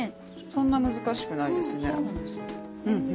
そんな難しくないですね。